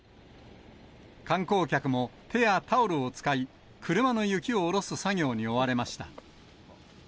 観光客も手やタオルを使い、車の雪を下ろす作業に追われました。